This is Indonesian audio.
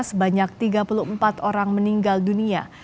sebanyak tiga puluh empat orang meninggal dunia